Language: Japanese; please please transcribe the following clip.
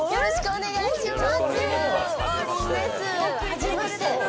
お願いします。